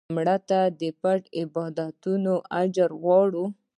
مړه ته د پټ عبادتونو اجر غواړو